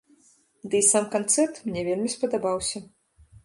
Дый сам канцэрт мне вельмі спадабаўся.